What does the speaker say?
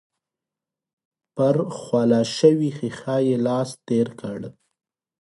پر خوله شوې ښيښه يې لاس تېر کړ.